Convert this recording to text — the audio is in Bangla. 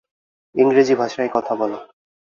ইংরেজি ভাষায় কথা বলো।